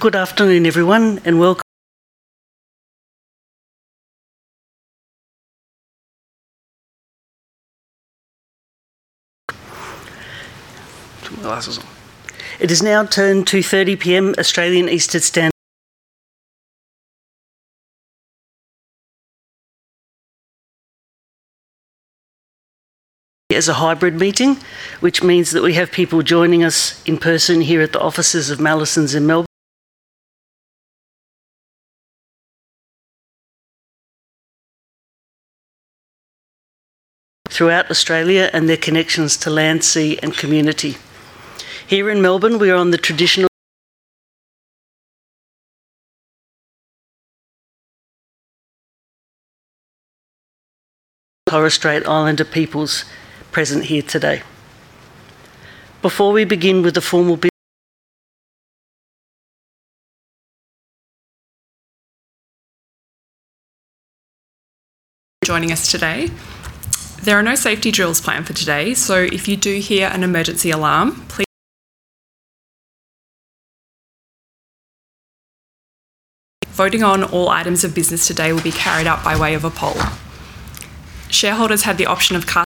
Good afternoon, everyone, and welcome. [inaudible] It is now 10:30 P.M., Australian Eastern Standard. [inaudible] As a hybrid meeting, which means that we have people joining us in person here at the offices of Mallesons in Melbourne [inaudible] throughout Australia and their connections to land, sea, and community. Here in Melbourne, we are on the traditional [inaudible] Torres Strait Islander peoples present here today. Before we begin with the formal business. [inaudible] [inaudible] joining us today. There are no safety drills planned for today, so if you do hear an emergency alarm, please. [inaudible] Voting on all items of business today will be carried out by way of a poll. Shareholders have the option of casting.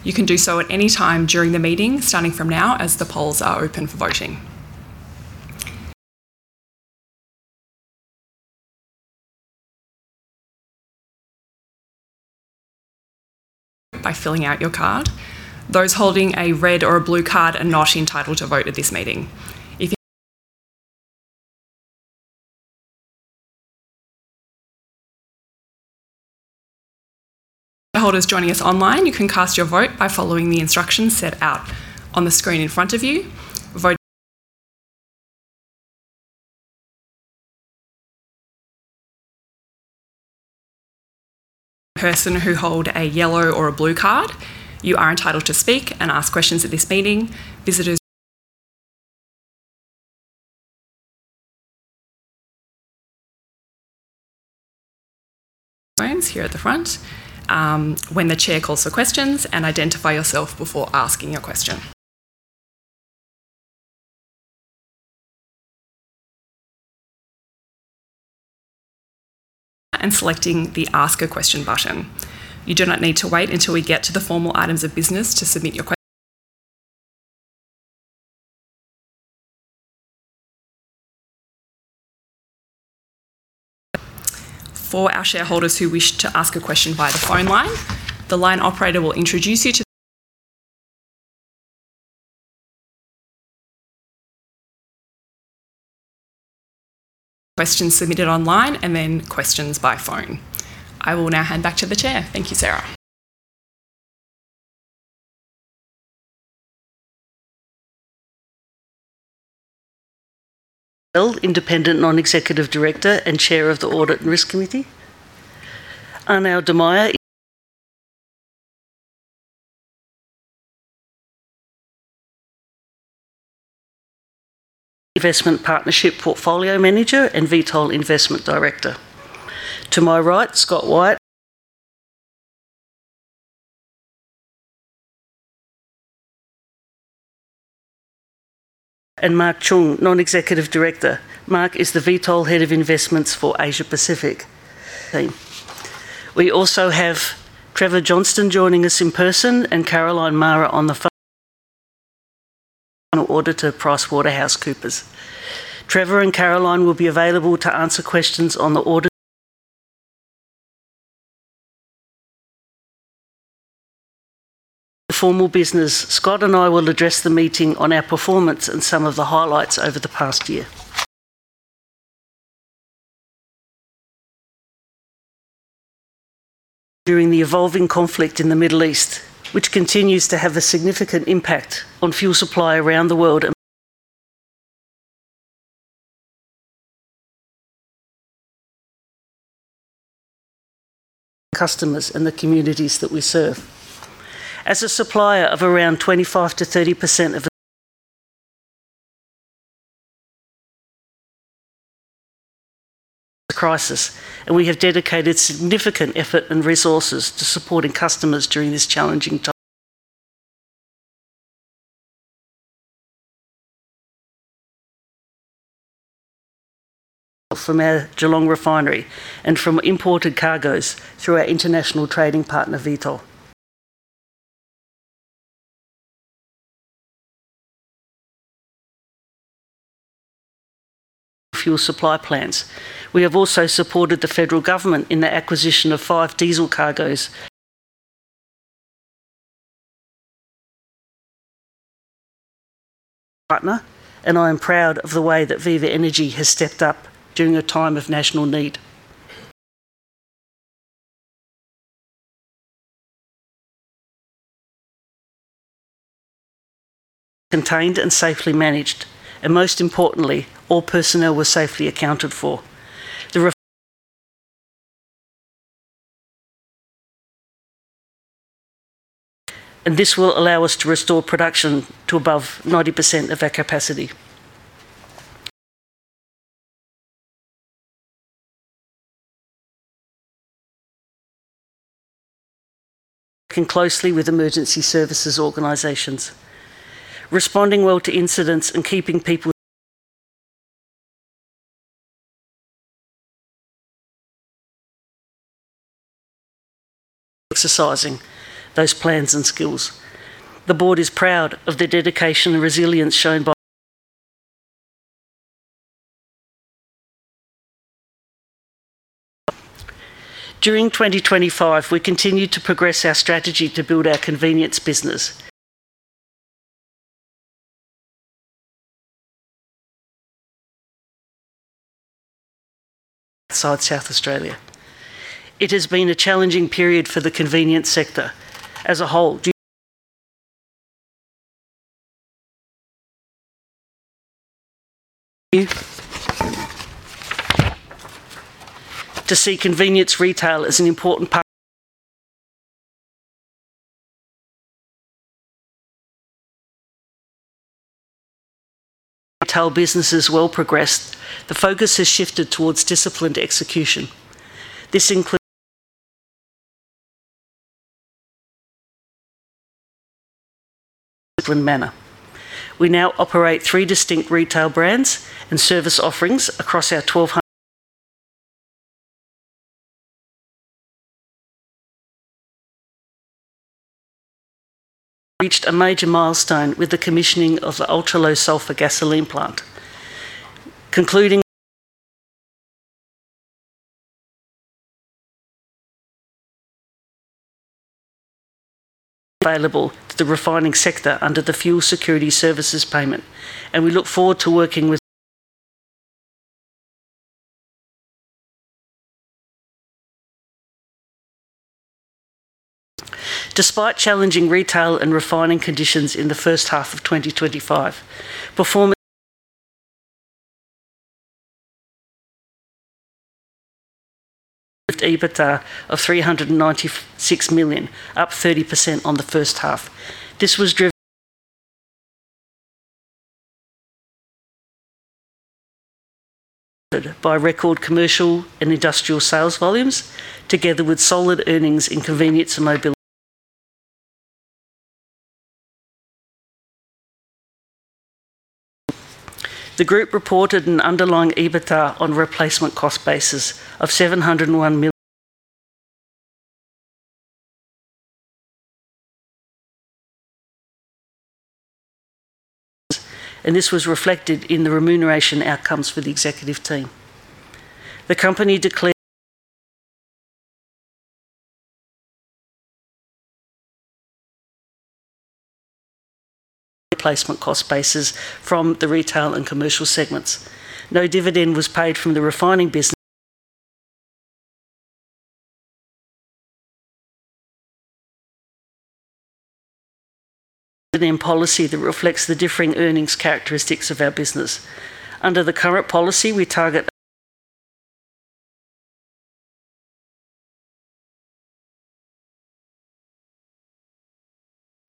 [inaudible] You can do so at any time during the meeting, starting from now as the polls are open for voting. [inaudible] by filling out your card. Those holding a red or a blue card are not entitled to vote at this meeting. If you. [inaudible] Shareholders joining us online, you can cast your vote by following the instructions set out on the screen in front of you. Vote [inaudible] person who hold a yellow or a blue card, you are entitled to speak and ask questions at this meeting. Visitors. [inaudible] [inaudible] microphones here at the front when the Chair calls for questions and identify yourself before asking your question. [inaudible] selecting the. [inaudible] [inaudible] Ask a question button. You do not need to wait until we get to the formal items of business to submit your. [inaudible] For our shareholders who wish to ask a question by the phone line, the line operator will introduce you to. [inaudible] [inaudible] questions submitted online and then questions by phone. I will now hand back to the Chair. Thank you, Sarah. [inaudible] [Alistair] Bell, Independent Non-Executive Director and Chair of the Audit and Risk Committee. Arnoud De Meyer, [Independent Non-Executive Director and Dat Duong] Investment Partnership Portfolio Manager and Vitol Investment Director. To my right, Scott Wyatt [Chief Executive Officer and Executive Director] and Mark Chong, Non-Executive Director. Mark is the Vitol Head of Investments for Asia Pacific. We also have Trevor Johnston joining us in person and Caroline Mara on the phone, [inaudible] Auditor PricewaterhouseCoopers. Trevor and Caroline will be available to answer questions on the audit. [inaudible] Formal business. Scott and I will address the meeting on our performance and some of the highlights over the past year. [Our AGM this year is being held] during the evolving conflict in the Middle East, which continues to have a significant impact on fuel supply around the world and [and particularly in the Asia-Pacific region]. [Naturally Australia is not immune from these impacts, and we understand the concern this is causing our] customers and the communities that we serve. As a supplier of around 25%-30% of [of Australia’s fuel needs, we understand the critical role we play in helping the country navigate this] crisis, we have dedicated significant effort and resources to supporting customers during this challenging time. [Through this period, we have maintained continuous supply to our customers from the production of Diesel, jet fuel and petrol] from our Geelong Refinery and from imported cargoes through our international trading partner, Vitol. [We have also maintained close engagement with all levels of Government to provide expert advice and contribute to the national] fuel supply plans. We have also supported the Federal Government in the acquisition of five Diesel cargoes [to provide contingency stocks in the event that supplies are disrupted. We have been a strong] partner, and I am proud of the way that Viva Energy has stepped up during a time of national need. [As you will be aware, we unfortunately experienced a significant fire at the Geelong Refinery last month]. [I am relieved that this was] contained and safely managed, and most importantly, all personnel were safely accounted for. [The refinery has continued to operate at reduced rates while we work to restart the Catalytic Cracking Unit]. This will allow us to restore production to above 90% of our capacity. [I want to acknowledge that this was a very challenging time for everyone, and to again reflect on the incredible response from the Geelong team] working closely with emergency services organizations. Responding well to incidents and keeping people [safe depends on the significant effort we put into emergency response planning, training our staff and contractors, and regularly] exercising those plans and skills. The Board is proud of the dedication and resilience shown [by our people during this period, and the support we have received both internally and externally]. During 2025, we continued to progress our strategy to build our Convenience business [with the integration of Liberty Convenience, OTR and Reddy Express, as well as the extension of the OTR network to markets outside] South Australia. It has been a challenging period for the Convenience sector as a whole due [to increased cost-of-living pressures and the dramatic growth in the illicit tobacco trade, but we continue] to see convenience retail as an important part of our future and expect this to drive long-term growth as these headwinds pass. With the integration of the three retail businesses well progressed, the focus has shifted towards disciplined execution. This includes [standing up our own convenience supply chains and rolling out new OTR stores in a measured and capital-disciplined] manner. We now operate three distinct retail brands and service offerings across our 1,200. [or so stores nationwide, enabling us to more effectively meet the needs of our customers. In our Energy businesses], we reached a major milestone with the commissioning of the Ultra-Low Sulphur Gasoline plant concluding [a period of heavy investment in our Refining business over the last few years. This year the Government announced an improvement in the level of support] available to the refining sector under the Fuel Security Services Payment, and we look forward to working with [with Government on a longer-term arrangement as part of a broader review of fuel security and supply over the coming months]. Despite challenging retail and refining conditions in the first half of 2025, performance [improved across all parts of the business in the second half. This was reflected in a significantly improved] EBITDA of 396 million, up 30% on the first half. This was driven [by improved operational performance and stronger market conditions. This result was also supported] by record Commercial & Industrial sales volumes, together with solid earnings in Convenience & Mobility [as fuel margins strengthened and acquisition synergies and cost savings were realised]. The Group reported an underlying EBITDA on replacement cost basis of 701 million [for the full year]. [While this was a relatively strong result given conditions, it was below our expectations for the business], and this was reflected in the remuneration outcomes for the executive team. The company declared [total dividends of AUD 0.0677 per share, representing a payout ratio of 55% Net Profit after Tax on a] replacement cost basis from the Retail and Commercial segments. No dividend was paid from the Refining business [which generated a net loss of AUD 14 million in 2025. Since 2021 the Board has retained a dividend] policy that reflects the differing earnings characteristics of our business. Under the current policy, we target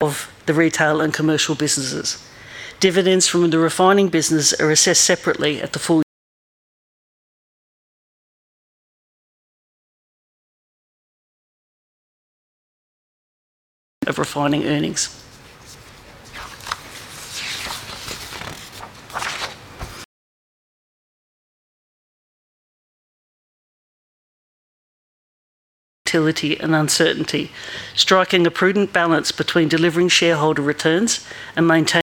of [we target a payout ratio of 50% to 70% of underlying Net Profit After Tax, on a replacement cost basis, from the more stable earnings from] the Retail and Commercial businesses. Dividends from the Refining business are assessed separately at the [full-year result with a target of 50% to 70% of underlying Net Profit After Tax, due to the historical higher volatility] of refining earnings. [The Board believes this remains the right approach in the current environment of heightened] volatility and uncertainty, striking a prudent balance between delivering shareholder returns and [ maintaining a strong and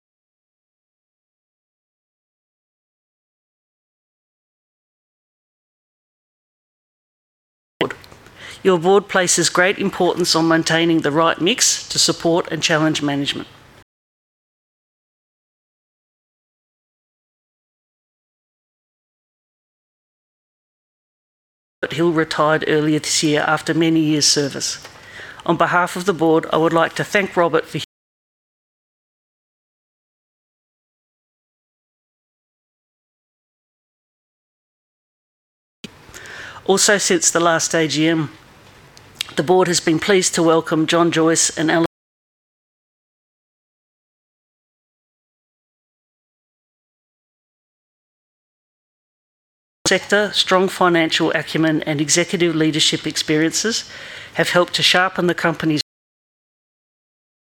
resilient balance sheet]. [As Viva Energy’s direction evolves so too must the skills and experience of the Board]. Your Board places great importance on maintaining the right mix to support and challenge management. [Since the last AGM, we have seen substantial board refreshment. This is my first AGM as your Chair, as our previous Chair Robert] Hill retired earlier this year after many years' service. On behalf of the Board, I would like to thank Robert for [his commitment to the company and his unwavering belief in the critical role that Viva Energy plays in the energy infrastructure of Australia]. Also, since the last AGM, the Board has been pleased to welcome John Joyce and [Alistair Bell to the Board]. [You will hear from both John and Alistair today, as both stand for election]. [Their deep insights in the retail] sector, strong financial acumen, and executive leadership experiences have helped to sharpen the company's [retail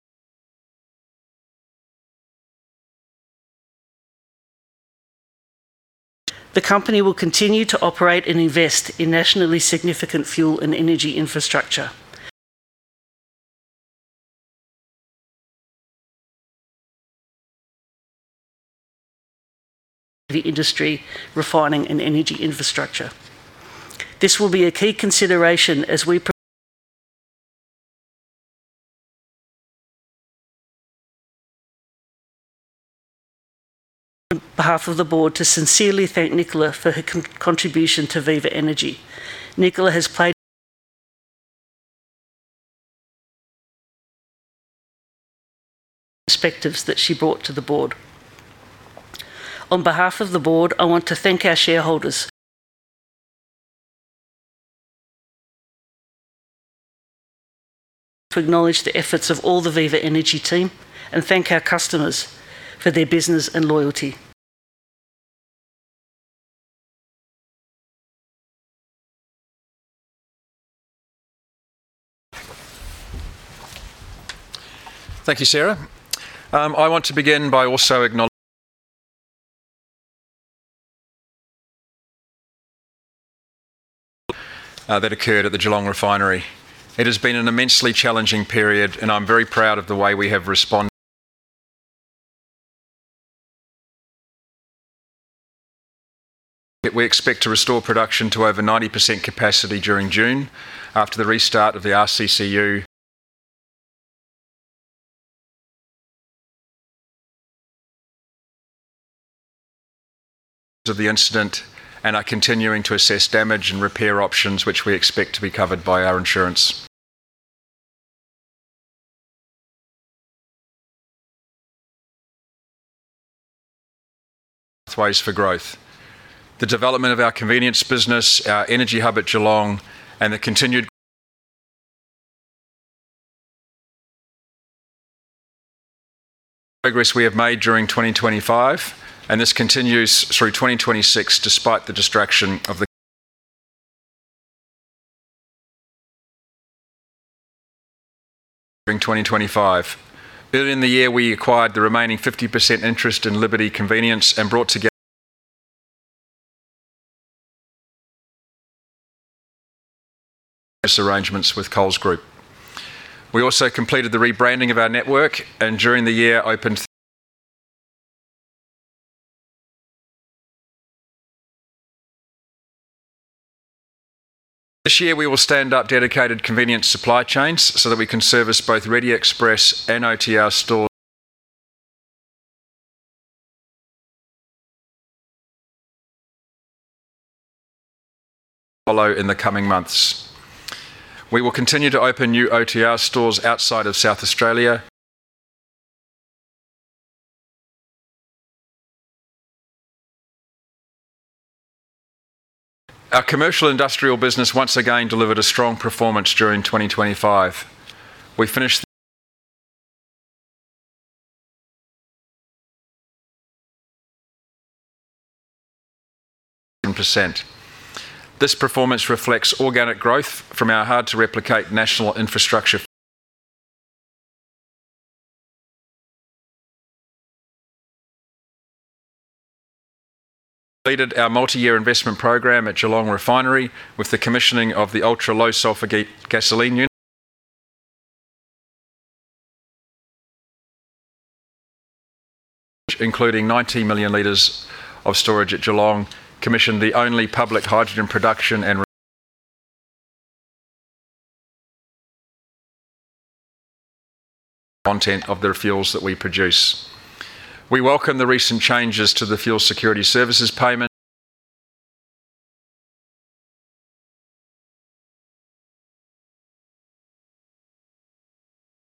strategy, strengthen governance oversight and support the continued development of the Retail business]. [Looking ahead], the company will continue to operate and invest in nationally significant fuel and energy infrastructure. [The Board recognises the importance of further strengthening its collective capability in asset-intensive heavy] industry refining and energy infrastructure. This will be a key consideration as we [progress succession planning following the departure of Nicola Wakefield Evans, who retired from the Board last month]. On behalf of the Board, to sincerely thank Nicola for her contribution to Viva Energy. Nicola has played [an important role during a period of significant change for the Company, and we are grateful for her commitment and the] perspectives that she brought to the Board. On behalf of the Board, I want to thank our shareholders [for your feedback and continued support and look forward to answering your questions shortly. I also want] to acknowledge the efforts of all the Viva Energy team and thank our customers for their business and loyalty. [I’ll now hand over to our CEO, Scott Wyatt, to provide more detail on last year’s performance]. Thank you, Sarah. I want to begin by also acknowledge [the substantial efforts of my team to navigate the Middle East crisis and more recently the fire] that occurred at the Geelong Refinery. It has been an immensely challenging period, and I'm very proud of the way we have respond [reflecting the unique character and culture of our organisation]. [As previously announced to the market,] we expect to restore production to over 90% capacity during June after the restart of the [RCCU and have continued to maintain fuel supplies to our customers and markets throughout this period]. [We are conducting a full investigation into the cause] of the incident and We are continuing to assess damage and repair options, which we expect to be covered by our insurance. [As Sarah mentioned, we are in midst of executing important strategies to reduce our reliance on traditional energies and provide future pathways] for growth, the development of our Convenience business, our energy hub at Geelong, and the continued [growth of our Commercial businesses are all important for our long-term prosperity]. [I am pleased with the] progress we have made during 2025, and this continues through 2026 despite the distraction of the [current energy crisis]. [The integration of our Convenience business was a particular focus] during 2025. Early in the year, we acquired the remaining 50% interest in Liberty Convenience and brought together [the various retail businesses under a common ERP which allowed for the cessation of transitional services] arrangements with Coles Group. We also completed the rebranding of our network and during the year opened [35 new and converted OTR stores and converted five Express stores to Liberty Convenience brands]. This year we will stand up dedicated convenience supply chains so that we can service both Reddy Express and OTR stores [from our own distribution centres in each of the capital cities]. [The Victorian distribution centre is already in operation, and the rest will] follow in the coming months. We will continue to open new OTR stores outside of South Australia [and progressively transform our retail offer across the country in a capital disciplined and return focused manner]. Our Commercial & Industrial business once again delivered a strong performance during 2025. We finished [the year with record sales volumes of 11,800,000,000 L, with growth continuing into 2026 with first quarter sales volumes up over 7%]. This performance reflects organic growth from our hard-to-replicate national infrastructure [footprint, and the strength of our supply chains which have of course been critical over the last couple of months]. [Last year], we completed our multi-year investment program at Geelong Refinery with the commissioning of the Ultra-Low Sulphur Gasoline unit. [Over the last four years we have added 114,000,000 L of Diesel storage] including 90,000,000 L of storage at Geelong. We commissioned the only public hydrogen production [and refuelling station, and began processing biogenic feedstocks to reduce the carbon] content of the fuels that we produce. We welcome the recent changes to the Fuel Security Services Payment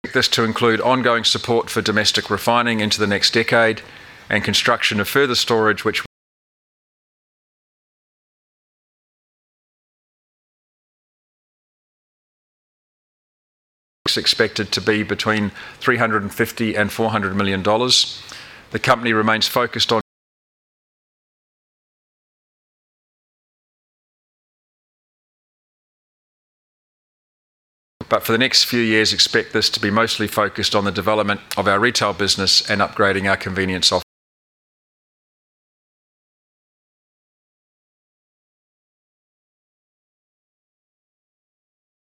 [and are working with the Federal Government to increase Australia’s fuel security and resilience as announced in the recent budget.] [We expect] this to include ongoing support for domestic refining into the next decade and construction of further storage which [we are well placed to support]. [With major investments now behind us, Viva Energy is entering a lower capital cycle with 2026 CapEx] is expected to be between 350 million and 400 million dollars. [The company remains focused on reducing gearing through a combination of lower capex and improved earnings]. [We continue to assess growth opportunities across all our businesses, but] for the next few years, expect this to be mostly focused on the development of our Retail business and upgrading our convenience offer.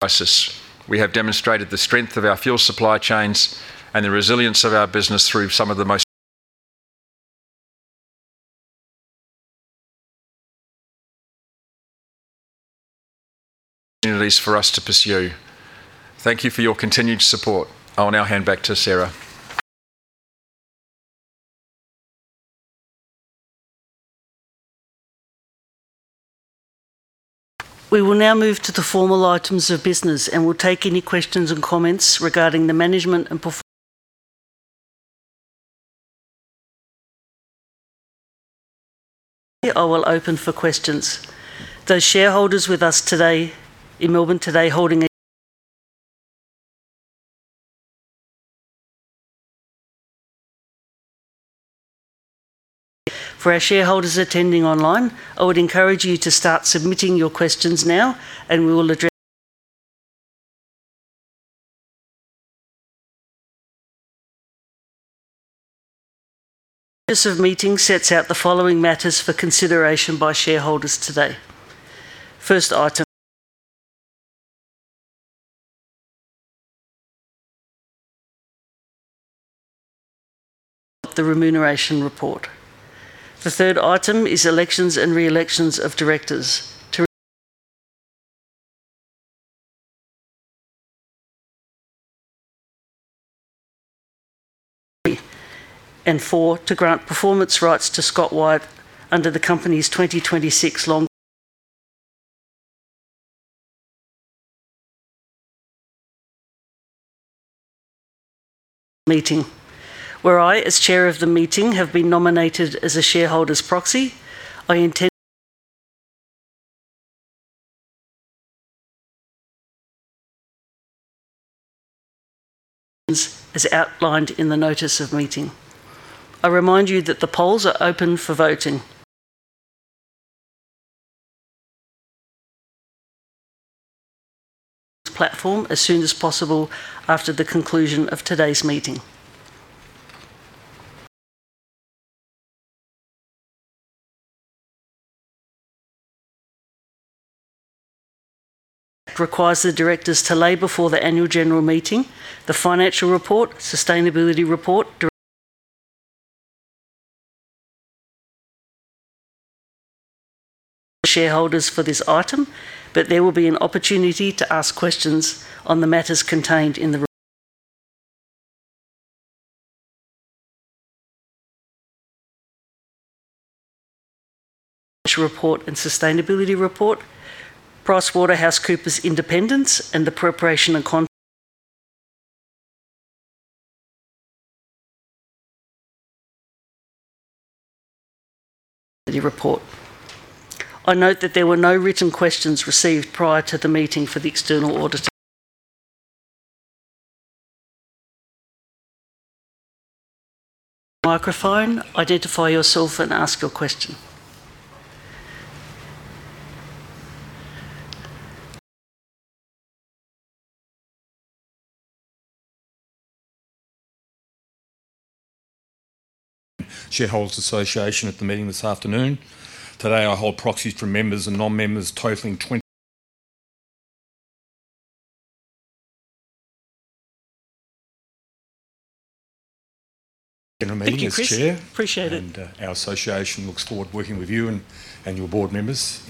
[As I said earlier, I am pleased with the progress we are making on our strategic agenda and the performance of our business through the Middle East] crisis. We have demonstrated the strength of our fuel supply chains and the resilience of our business through some of the most [challenging of times]. [I expect Viva Energy to emerge from the crisis in good shape, with a stronger reputation, and many new] opportunities for us to pursue. Thank you for your continued support. I'll now hand back to Sarah. We will now move to the formal items of business and will take any questions and comments regarding the management and performance. [inaudible] I will open for questions. For shareholders with us today. [inaudible] For our shareholders attending online, I would encourage you to start submitting your questions now and we'll address. [inaudible] Notice of meeting sets out the following matters for consideration by shareholders today. First item, [inaudible] the remuneration report. The third item is elections and re-elections of directors. [inaudible] 4, to grant performance rights to Scott Wyatt under the company's 2026 long [inaudible] meeting, where I, as Chair of the meeting, have been nominated as a shareholder's proxy. I intend [inaudible] as outlined in the notice of meeting. I remind you that the polls are open for voting. [inaudible] platform as soon as possible after the conclusion of today's meeting. [inaudible] requires the directors to lay before the annual general meeting the financial report, sustainability report. [inaudible] The shareholders for this item, but there will be an opportunity to ask questions on the matters contained [inaudible] report and sustainability report. PricewaterhouseCoopers independence and the preparation. [inaudible] I note that there were no written questions received prior to the meeting for the external auditor. [inaudible] [inaudible] microphone, identify yourself and ask your question. [inaudible] [inaudible] Shareholders Association at the meeting this afternoon. Today, I hold proxies from members and non-members totaling 20. [inaudible] Thank you, Chris. Appreciate it. Our association looks forward to working with you and your board members.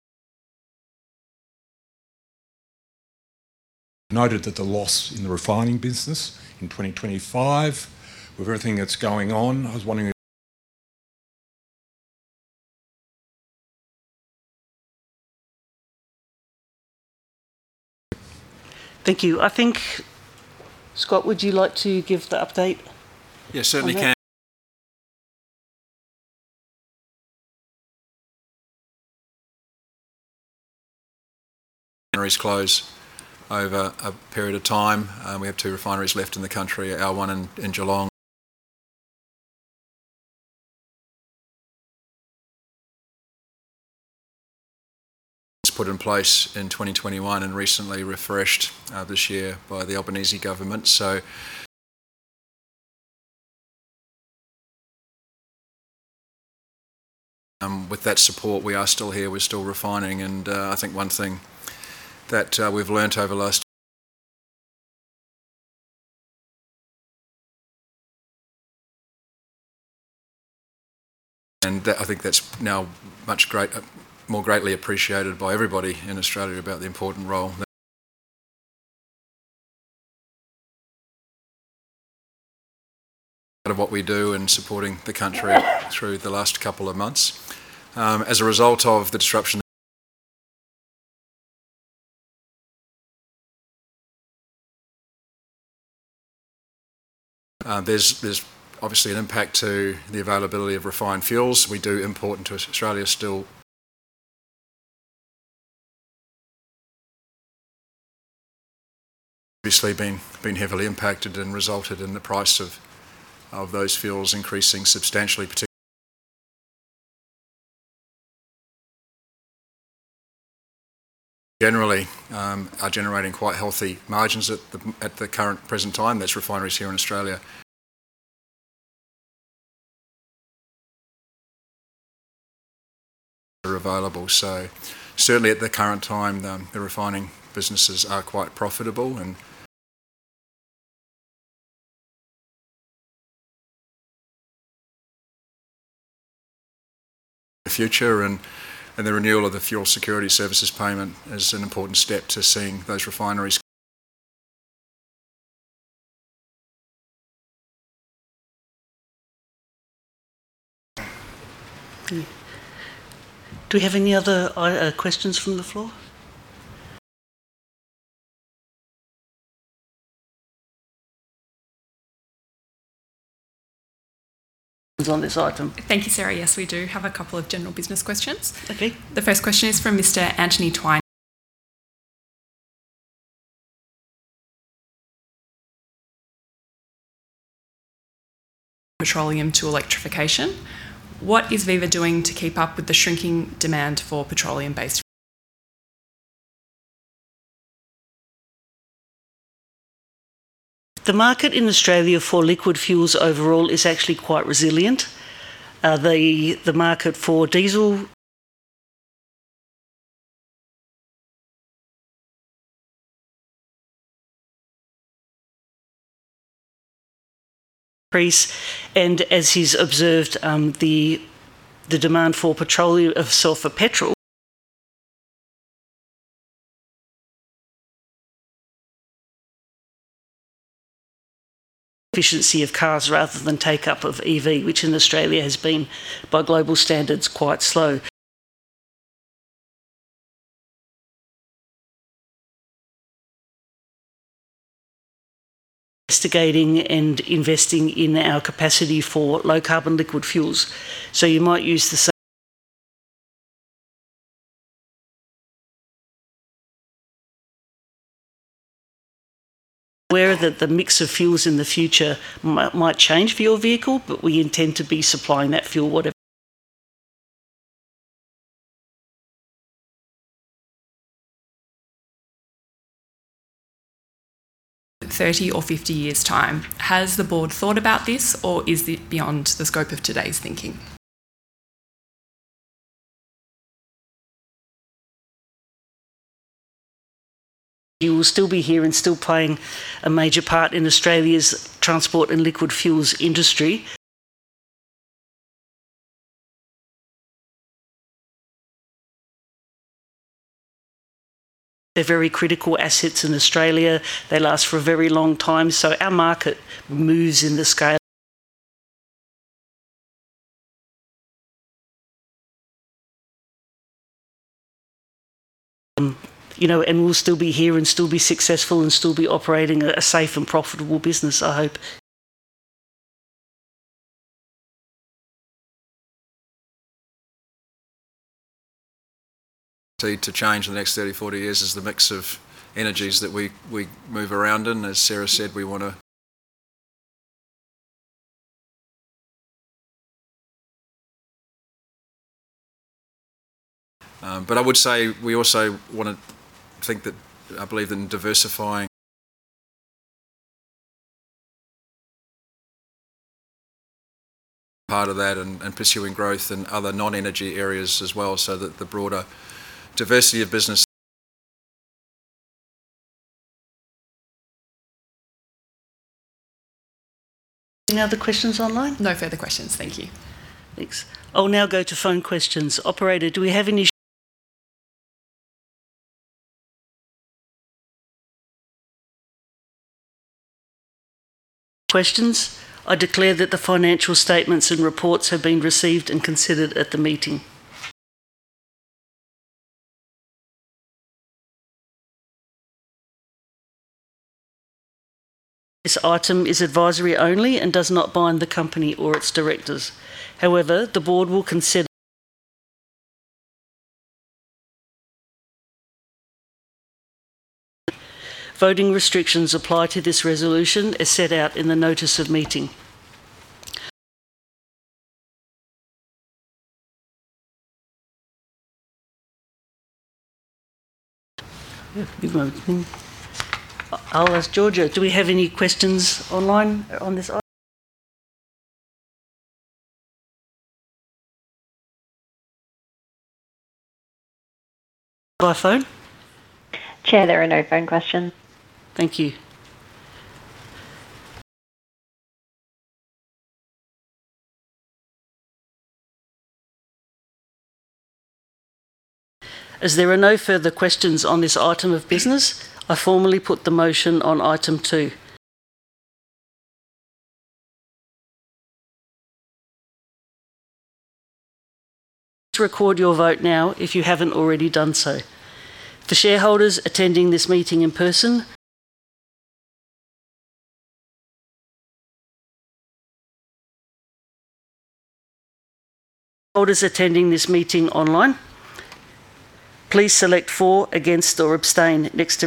[inaudible] [inaudible] noted that the loss in the Refining business in 2025, with everything that's going on. I was wondering. [inaudible] Thank you. I think, Scott, would you like to give the update? Yes, certainly can. [inaudible] Refineries close over a period of time. We have two refineries left in the country, our one in Geelong. [inaudible] [inaudible] was put in place in 2021 and recently refreshed this year by the Albanese Government. [inaudible] with that support, we are still here, we are still refining. I think one thing that we have learned, [inaudible] and I think that is now much more greatly appreciated by everybody in Australia about the important role of [inaudible] what we do in supporting the country through the last couple of months. As a result of the disruption, [inaudible] there is obviously an impact to the availability of refined fuels. We do import into Australia still. [inaudible] They have obviously been heavily impacted and resulted in the price of those fuels increasing substantially. [inaudible] Refineries generally are generating quite healthy margins at the current present time. There are refineries here in Australia [inaudible] that are available. Certainly at the current time, the Refining businesses are quite profitable and. [inaudible] The future and the renewal of the Fuel Security Services Payment is an important step to seeing those refineries. [inaudible] Do we have any other questions from the floor? On this item. [inaudible] Thank you, Sarah. Yes, we do have a couple of general business questions. Okay. The first question is from Mr. [Anthony Twine]. [inaudible] [inaudible] petroleum to electrification. What is Viva doing to keep up with the shrinking demand for petroleum-based. [inaudible] The market in Australia for liquid fuels overall is actually quite resilient. The market for Diesel [inaudible] increase, and as he's observed, the demand for petrol, sulphur petrol [inaudible] efficiency of cars rather than take-up of EV, which in Australia has been, by global standards, quite slow. [inaudible] We are investigating and investing in our capacity for low-carbon liquid fuels so you might use the. [inaudible] [inaudible] aware that the mix of fuels in the future might change for your vehicle, but we intend to be supplying that fuel. [inaudible] [inaudible] 30 or 50 years' time. Has the Board thought about this, or is it beyond the scope of today's thinking? [inaudible] You will still be here and still playing a major part in Australia's transport and liquid fuels industry. [inaudible] they are very critical assets in Australia. They last for a very long time so our market moves. [inaudible] We will still be here and still be successful and still be operating a safe and profitable business, I hope. [inaudible] [inaudible] continue to change in the next 30, 40 years is the mix of energies that we move around in. As Sarah said, we wanna. [inaudible] But I would say we also want to think that I believe in diversifying [inaudible] part of that and pursuing growth in other non-energy areas as well, so that the broader diversity of business. [inaudible] [inaudible] any other questions online? No further questions. Thank you. Thanks. I will now go to phone questions. Operator, do we have any [inaudible] questions? I declare that the financial statements and reports have been received and considered at the meeting. [inaudible] This item is advisory only and does not bind the company or its Directors. However, the Board will consider. [inaudible] Voting restrictions apply to this resolution as set out in the notice of meeting. [inaudible] I'll ask Georgia, do we have any questions online on this [inaudible] by phone? Chair, there are no phone questions. Thank you. As there are no further questions on this item of business, I formally put the motion on item 2. [inaudible] Please record your vote now if you haven't already done so. The shareholders attending this meeting in person. [inaudible] Shareholders attending this meeting online, please select for, against, or abstain. Next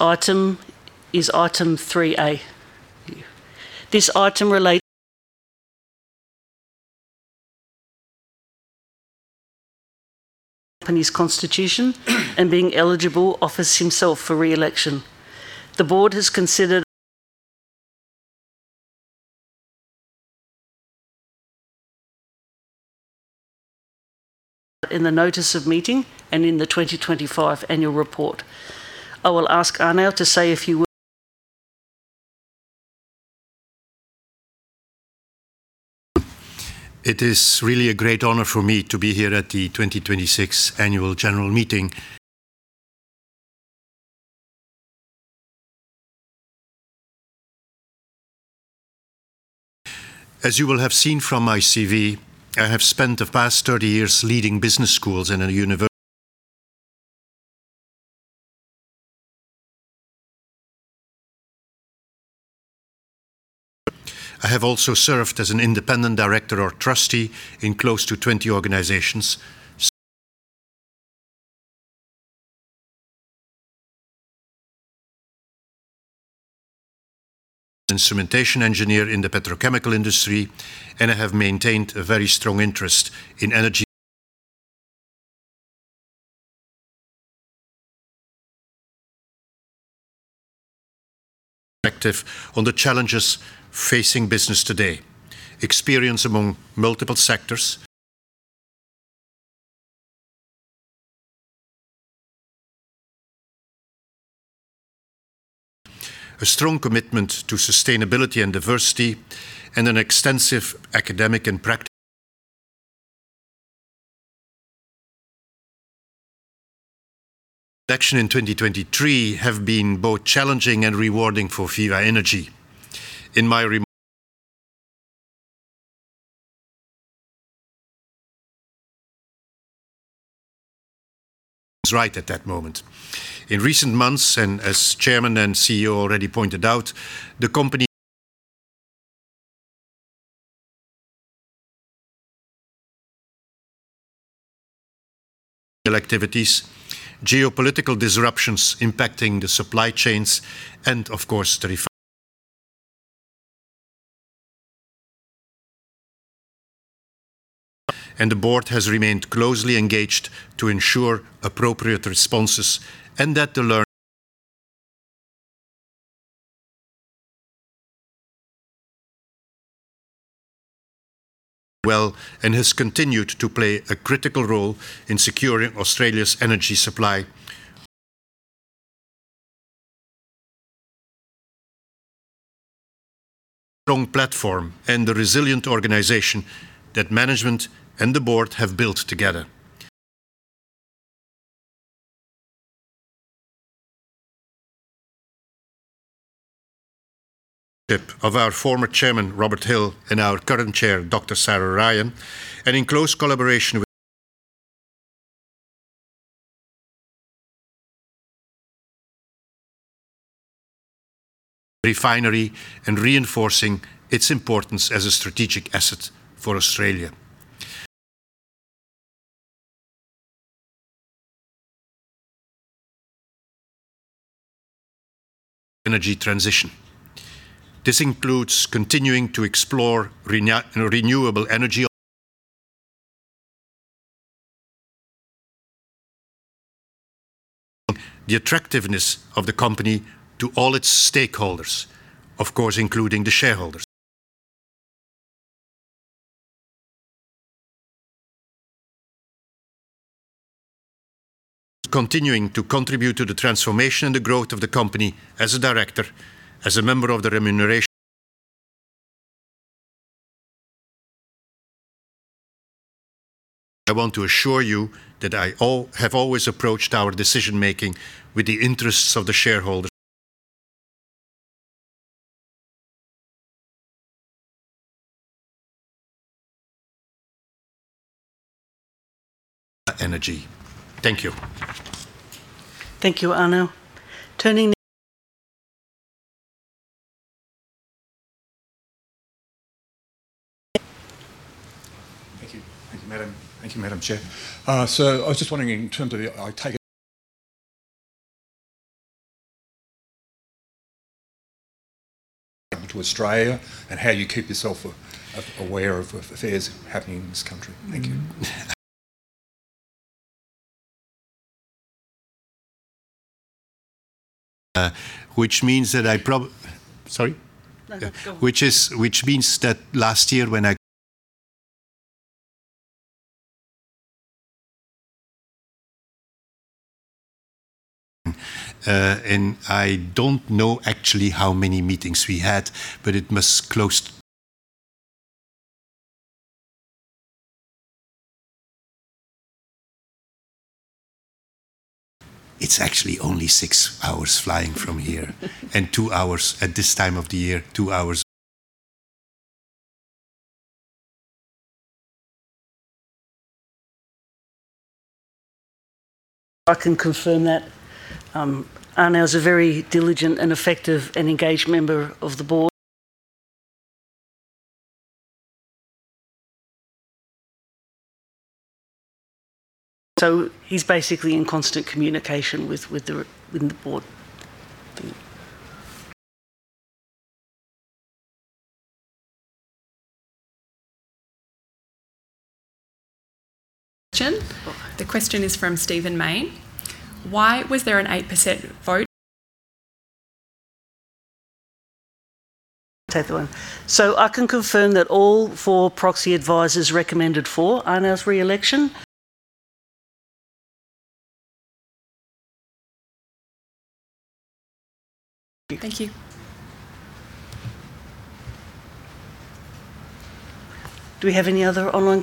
item is item 3(a). This item relates [inaudible] company's constitution and being eligible offers himself for re-election. The Board has considered [inaudible] in the notice of meeting and in the 2025 Annual Report. I will ask Arnoud to say a few words. [inaudible] It is really a great honor for me to be here at the 2026 Annual General Meeting. As you will have seen from my CV, I have spent the past 30 years leading business schools. [inaudible] I have also served as an Independent Director or Trustee in close to 20 organizations. [inaudible] instrumentation engineer in the petrochemical industry. I have maintained a very strong interest in energy [inaudible] perspective on the challenges facing business today. Experience among multiple sectors. [inaudible] A strong commitment to sustainability and diversity, and an extensive academic. [inaudible] In 2023 have been both challenging and rewarding for Viva Energy. [inaudible] right at that moment. In recent months, as Chairman and CEO already pointed out, the company [inaudible] activities, geopolitical disruptions impacting the supply chains, and of course, the refinery. [inaudible] [inaudible] and the Board has remained closely engaged to ensure appropriate responses and that the learn [inaudible] well and has continued to play a critical role in securing Australia's energy supply. [inaudible] strong platform and the resilient organization that management and the Board have built together. [inaudible] of our former Chairman, Robert Hill, and our current Chair, Dr. Sarah Ryan, and in close collaboration with [inaudible] refinery and reinforcing its importance as a strategic asset for Australia. [inaudible] energy transition. This includes continuing to explore renewable energy. [inaudible] [inaudible] the attractiveness of the company to all its stakeholders, of course, including the shareholders. [inaudible] continuing to contribute to the transformation and the growth of the company as a Director, as a member of the Remuneration. [inaudible] I want to assure you that I have always approached our decision-making with the interests of the shareholders. [inaudible] [inaudible] Energy. Thank you. Thank you, Arnoud, turning. [inaudible] Thank you. Thank you, Madam Chair. I was just wondering in terms of, I take it [inaudible] to Australia and how you keep yourself aware of affairs happening in this country. Thank you. [inaudible] which means that I, sorry? No, go on. Which means that last year when I [inaudible] and I don't know actually how many meetings we had, but it must. [inaudible] It's actually only six hours flying from here, and two hours at this time of the year. Two hours. [inaudible] I can confirm that. Arnoud is a very diligent and effective and engaged member of the Board. [inaudible] He's basically in constant communication with the Board. Thank you. [inaudible] question. The question is from [Stephen Mayne]. Why was there an 8% vote. [inaudible] I'll take that one. I can confirm that all 4 proxy advisors recommended for Arnoud's re-election. [inaudible] Thank you. Do we have any other online [inaudible]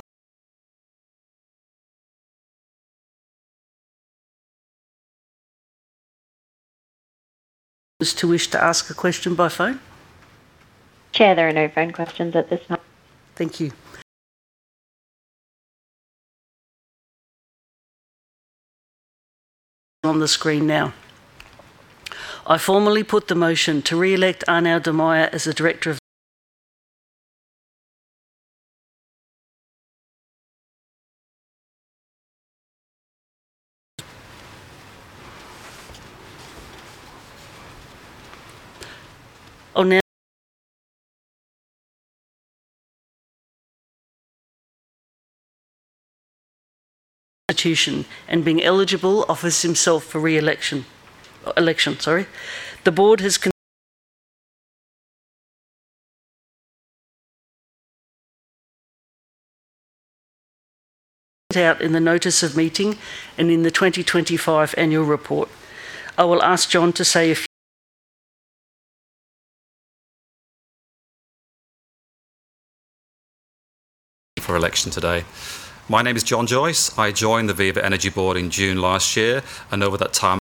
to wish to ask a question by phone? Chair, there are no phone questions at this time. Thank you. On the screen now. I formally put the motion to re-elect Arnoud De Meyer as the Director of [inaudible] constitution, and being eligible, offers himself for re-election. Election, sorry. The Board has been. [inaudible] [inaudible] set out in the notice of meeting and in the 2025 Annual Report. I will ask John to say a few. [inaudible] For election today. My name is John Joyce. I joined the Viva Energy Board in June last year, and over that time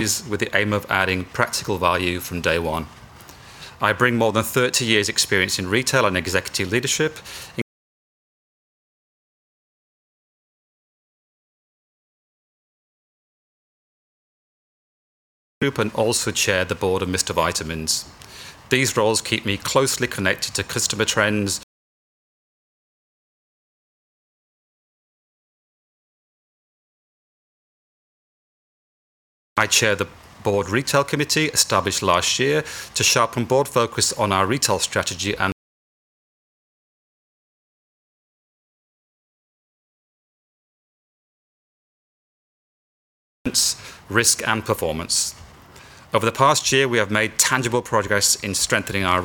[inaudible] with the aim of adding practical value from day one. I bring more than 30 years' experience in retail and executive leadership, [inaudible] in Group, and also Chair the Board of Mr Vitamins. These roles keep me closely connected to customer trends. [inaudible] I Chair the Board Retail Committee, established last year, to sharpen Board focus on our retail strategy and [inaudible] risk and performance. Over the past year, we have made tangible progress in strengthening our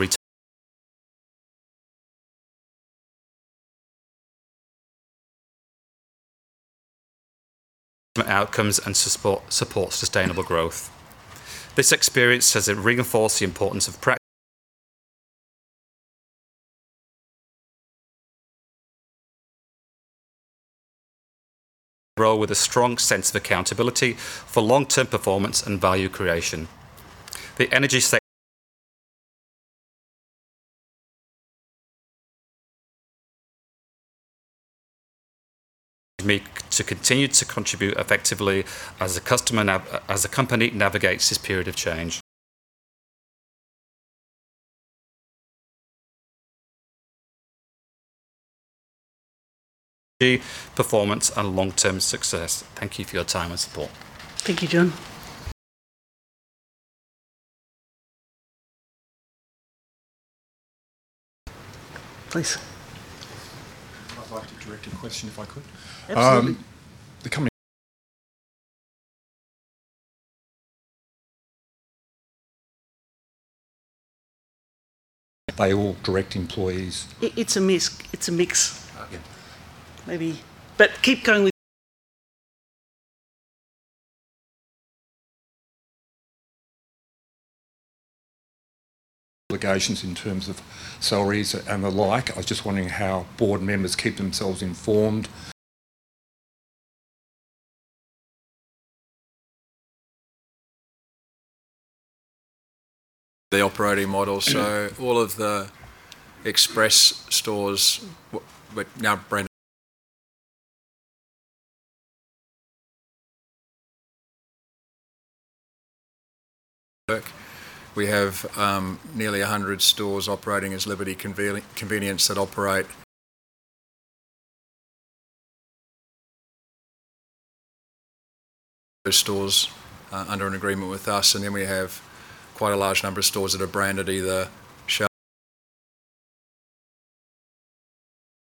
retail [inaudible] outcomes and support sustainable growth. This experience has reinforced the importance of [inaudible] role with a strong sense of accountability for long-term performance and value creation. The energy sector [inaudible] me to continue to contribute effectively as the company navigates this period of change [inaudible] performance and long-term success. Thank you for your time and support. Thank you, John. Please. I'd like to direct a question, if I could. Absolutely. Are they all direct employees? It's a mix. Okay. But keep going with. [inaudible] [inaudible] obligations in terms of salaries and the like. I was just wondering how board members keep themselves informed. [inaudible] [inaudible] the operating model. All of the Express stores now brand. [inaudible] We have nearly 100 stores operating as Liberty Convenience that operate [inaudible] stores under an agreement with us, and then we have quite a large number of stores that are branded either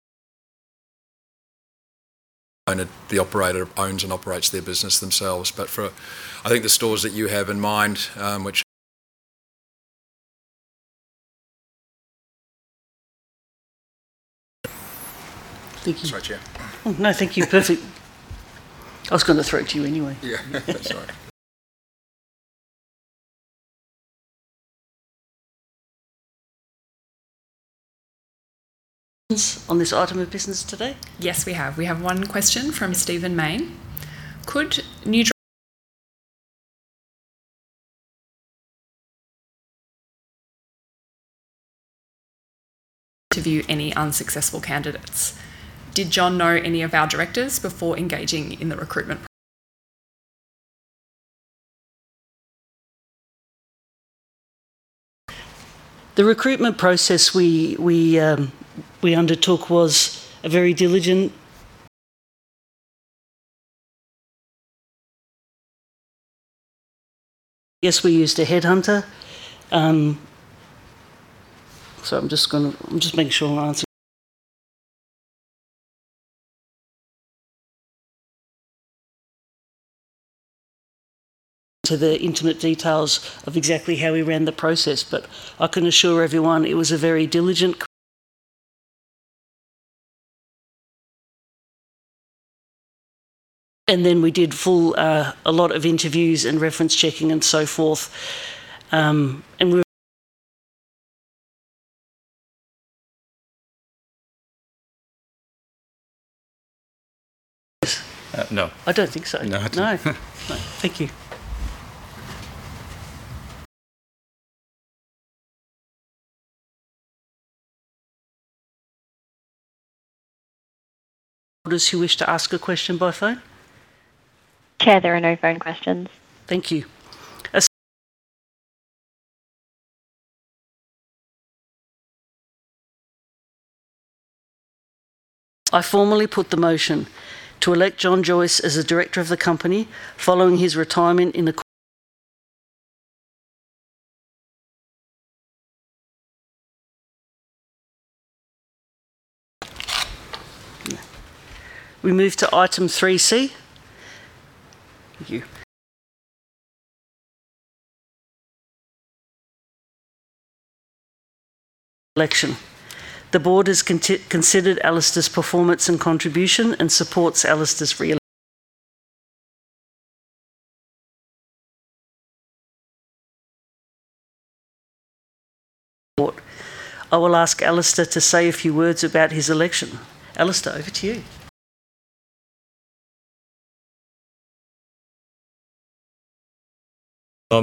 [inaudible] owned. The operator owns and operates their business themselves. I think the stores that you have in mind which. [inaudible] Thank you. That's right, Chair. No, thank you. Perfect. I was going to throw it to you anyway. Yeah. That's all right. [inaudible] on this item of business today? Yes, we have. We have one question from [Stephen Mayne]. Could [inaudible] any unsuccessful candidates? Did John know any of our Directors before engaging in the recruitment? The recruitment process we undertook was a very diligent. [inaudible] Yes, we used a headhunter. I'm just making sure I answer [inaudible] to the intimate details of exactly how we ran the process, but I can assure everyone it was a very diligent. [inaudible] Then we did a lot of interviews and reference checking and so forth. No. I don't think so. No. No. Thank you. [inaudible] who wish to ask a question by phone? Chair, there are no phone questions. Thank you. I formally put the motion to elect John Joyce as a Director of the company following his retirement. We move to item 3C. Thank you. Re-election. The Board has considered Alistair's performance and contribution and supports Alistair's re-election. [inaudible] I will ask Alistair to say a few words about his election. Alistair, over to you. Thank you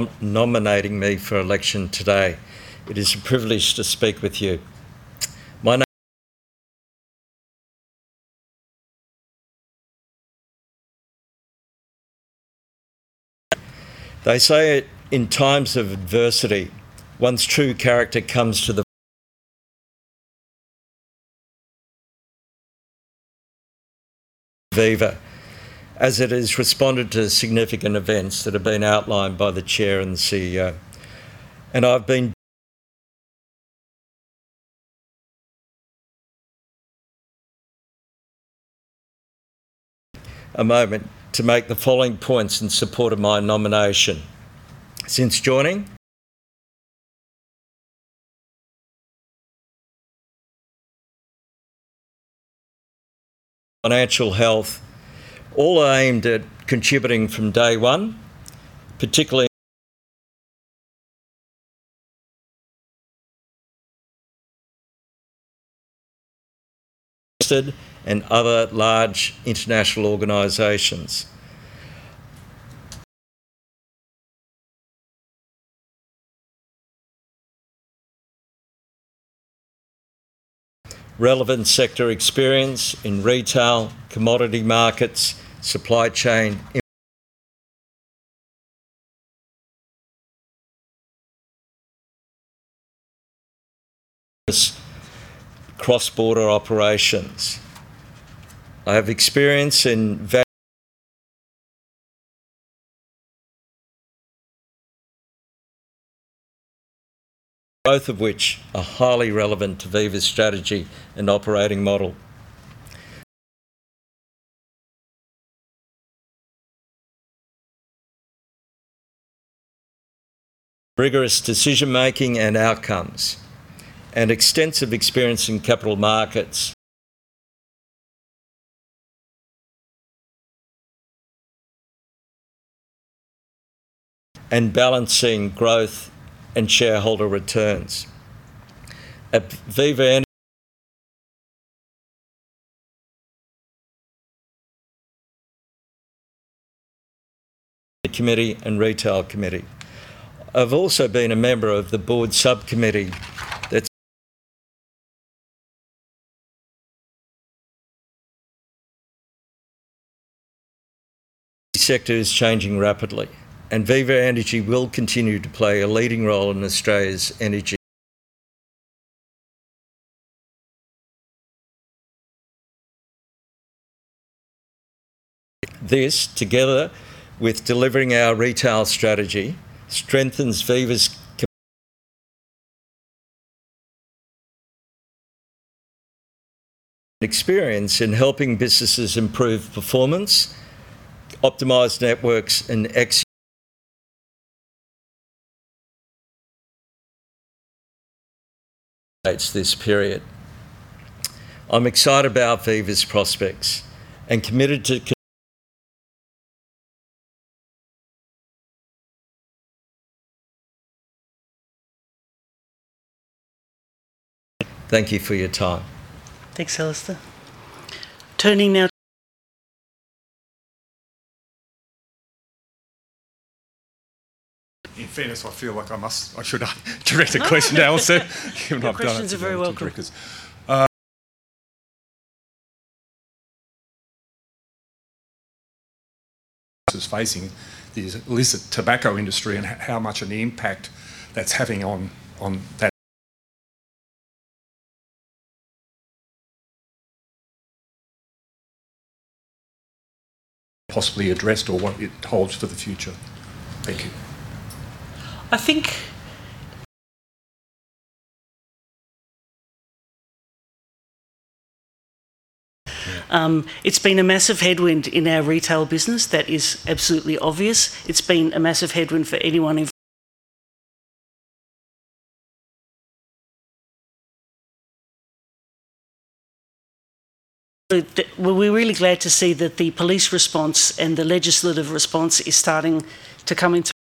for nominating me for election today. It is a privilege to speak with you. My name. [inaudible] They say in times adversity. [inaudible] [inaudible] Viva as it has responded to significant events that have been outlined by the Chair and the CEO, and I've been. [inaudible] [inaudible] a moment to make the following points in support of my nomination. Since joining, [inaudible] financial health, all aimed at contributing from day one, and other large international organizations. [inaudible] relevant sector experience in retail, commodity markets, supply chain, [inaudible] cross-border operations. I have experience in [inaudible] of which are highly relevant to Viva's strategy and operating model. [inaudible] rigorous decision-making and outcomes, and extensive experience in capital markets [inaudible] and balancing growth and shareholder returns. At Viva [inaudible] Committee and Retail committee. I've also been a member of the Board subcommittee that's. [inaudible] Sector is changing rapidly, and Viva Energy will continue to play a leading role in Australia's energy. [inaudible] This, together with delivering our retail strategy, strengthens Viva's [inaudible] experience in helping businesses improve performance, optimize networks, [inaudible] and [inaudible] this period. I'm excited about Viva's prospects and committed to. [inaudible] Thank you for your time. Thanks, Alistair. [inaudible] in fairness, I feel like I should direct a question to Alistair, even though I've done it to the other Directors. Questions are very welcome. [inaudible] facing the illicit tobacco industry and how much of an impact that's having on that possibly addressed or what it holds for the future? Thank you. I think [inaudible] it's been a massive headwind in our Retail business. That is absolutely obvious. It's been a massive headwind for anyone. [inaudible] We're really glad to see that the police response and the legislative response is starting to come into. [inaudible]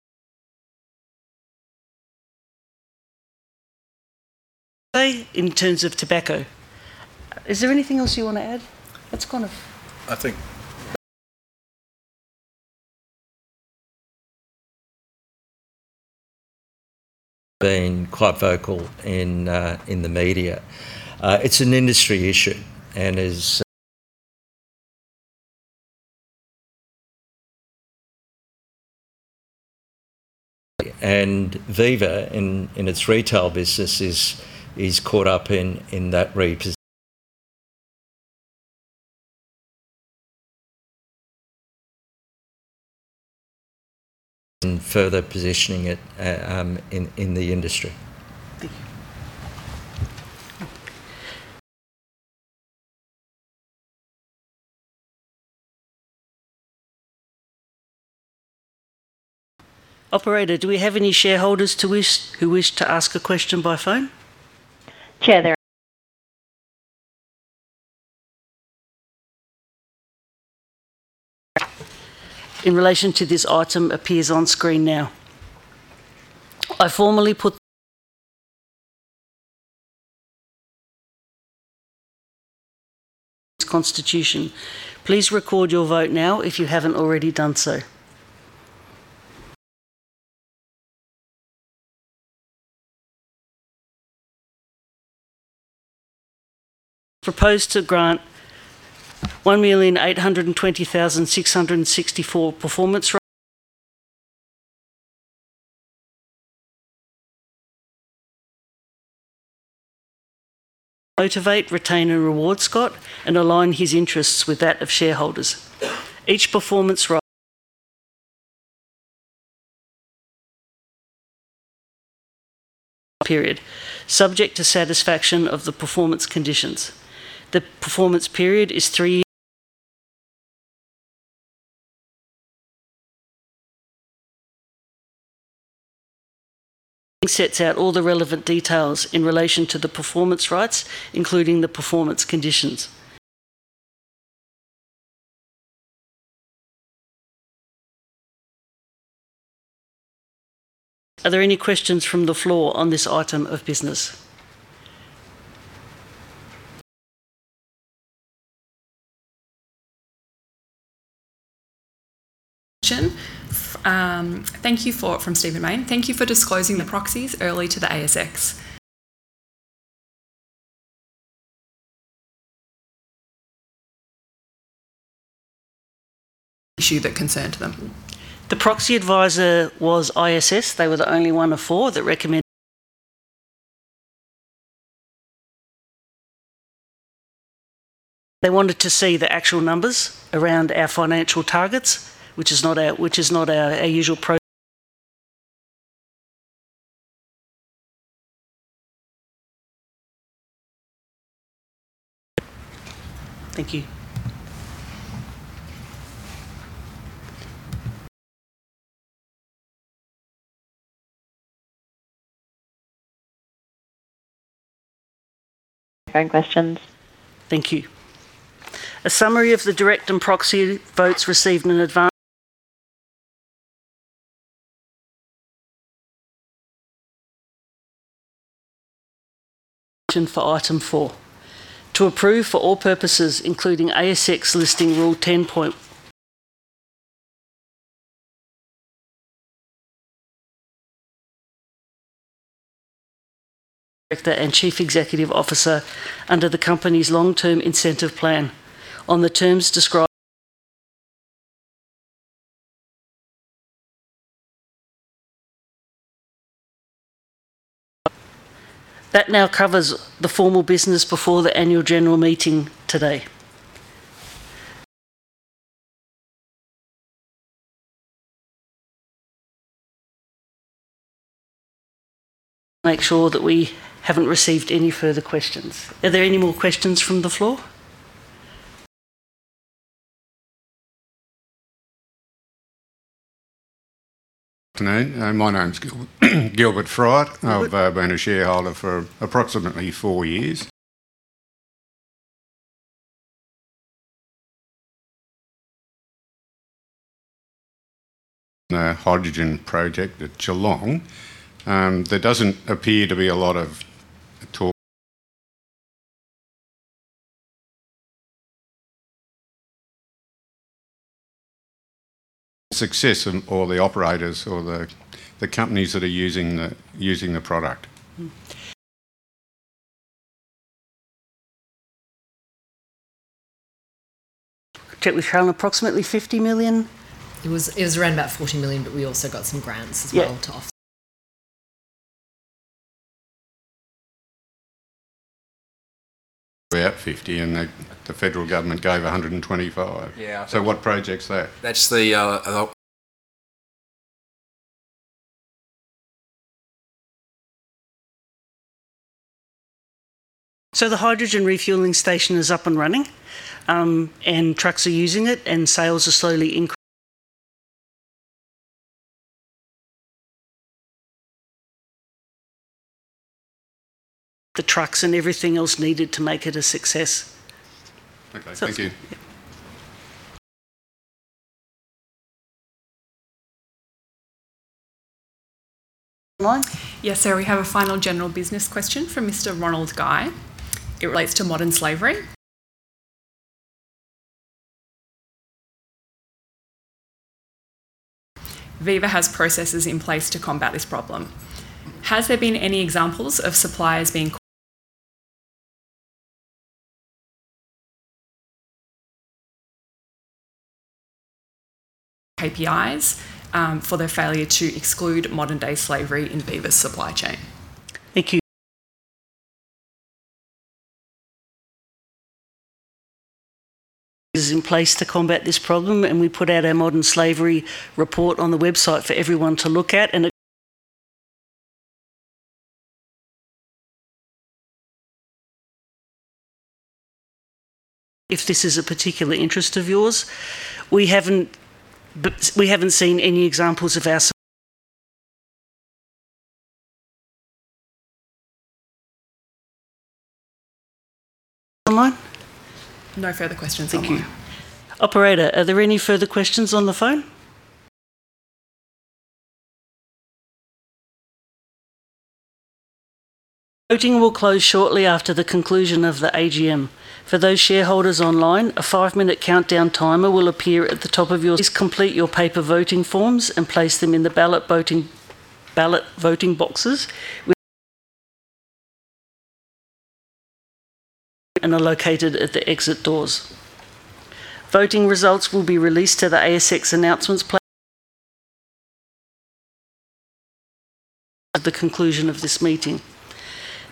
[inaudible] play in terms of tobacco. Is there anything else you want to add? I think. [inaudible] I've been quite vocal in the media. It's an industry issue and Viva, in its Retail business, is caught up in that and further positioning it in the industry. Thank you. Operator, do we have any shareholders who wish to ask a question by phone? Chair, there are. [inaudible] In relation to this item appears on screen now. I formally put [inaudible] constitution. Please record your vote now if you haven't already done so. [inaudible] proposed to grant 1,820,664 performance. [inaudible] [inaudible] motivate, retain, and reward Scott and align his interests with that of shareholders. Each performance [inaudible] period, subject to satisfaction of the performance conditions. The performance period is three [inaudible] sets out all the relevant details in relation to the performance rights, including the performance conditions. Are there any questions from the floor on this item of business? Question from [Stephen Mayne]. Thank you for disclosing the proxies early to the ASX [inaudible] issue that concerned them. The proxy adviser was ISS. They were the only one of four they recommend. [inaudible] [inaudible] They wanted to see the actual numbers around our financial targets, which is not our usual. [inaudible] Thank you. [inaudible] No questions. Thank you. A summary of the direct and proxy votes received in advance [inaudible] for item 4, to approve for all purposes including ASX Listing Rule 10, [inaudible] Director and Chief Executive Officer under the company's long-term incentive plan on the terms described. [inaudible] That now covers the formal business before the annual general meeting today. [inaudible] make sure that we haven't received any further questions. Are there any more questions from the floor? Good afternoon. My name's [Gilbert Fry]. [Gilbert]. I've been a shareholder for approximately four years. [inaudible] hydrogen project at Geelong, there doesn't appear to be a lot of talk [inaudible] success or the operators or the companies that are using the product. [inaudible] I checked with [Sher], approximately 50 million. It was around about 40 million, but we also got some grants as well. Yeah. [inaudible] about 50 million, and the Federal Government gave 125 million. Yeah. What project's that? That's the [inaudible] The hydrogen refueling station is up and running, and trucks are using it, and sales are slowly. [inaudible] The trucks and everything else needed to make it a success. Okay, thank you. Yep. [inaudible] online? Yes, sir, we have a final general business question from Mr. [Ronald Guy]. It relates to modern slavery. [inaudible] Viva has processes in place to combat this problem. Has there been any examples of suppliers KPIs, [inaudible] for their failure to exclude modern slavery in Viva's supply chain? Thank you. [inaudible] is in place to combat this problem. We put out our Modern Slavery Report on the website for everyone to look at. [inaudible] This is a particular interest of yours. We haven't seen any examples of our. [inaudible] [inaudible] online? No further questions online. Thank you. Operator, are there any further questions on the phone? [inaudible] Voting will close shortly after the conclusion of the AGM. For those shareholders online, a five-minute countdown timer will appear at the top. Please complete your paper voting forms and place them in the ballot voting boxes. [inaudible] [inaudible] and are located at the exit doors. Voting results will be released to the ASX announcements [inaudible] at the conclusion of this meeting.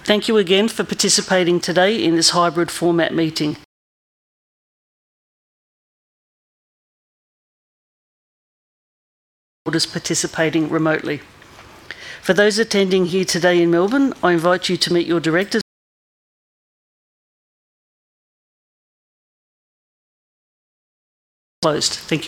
Thank you again for participating today in this hybrid format meeting. [inaudible] Shareholders participating remotely. For those attending here today in Melbourne, I invite you to meet your Directors. [inaudible] [inaudible] closed. Thank you